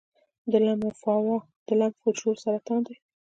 د لمفوما د لمف حجرو سرطان دی.